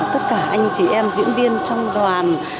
tất cả anh chị em diễn viên trong đoàn